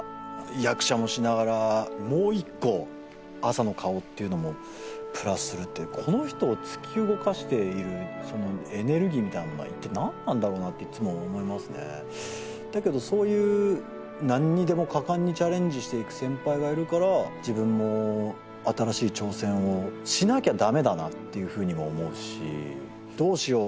役者もしながらもう一個朝の顔っていうのもプラスするってこの人を突き動かしているエネルギーみたいなものが一体何なんだろうなっていつも思いますねだけどそういう何にでも果敢にチャレンジしていく先輩がいるから自分も新しい挑戦をしなきゃダメだなっていうふうにも思うしどうしよう